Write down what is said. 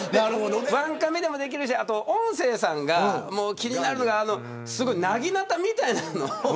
１カメでもできるしあと、音声さんが気になるのはなぎなたみたいなのを